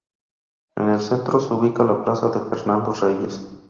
En el centro se ubica la plaza de Fernando Reyes.